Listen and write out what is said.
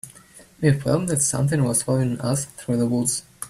We felt that something was following us through the woods.